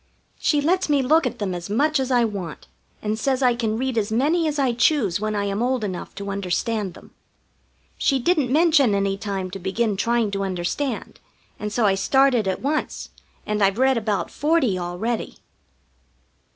She lets me look at them as much as I want, and says I can read as many as I choose when I am old enough to understand them. She didn't mention any time to begin trying to understand, and so I started at once, and I've read about forty already.